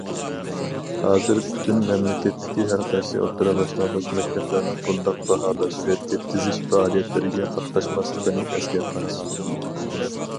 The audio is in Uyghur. ھازىر، پۈتۈن مەملىكەتتىكى ھەرقايسى ئوتتۇرا، باشلانغۇچ مەكتەپلەرنىڭ بۇنداق باھالاش، رەتكە تىزىش پائالىيەتلىرىگە قاتناشماسلىقىنى ئەسكەرتىمىز.